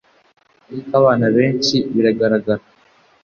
ariko abana benshi, biragaragara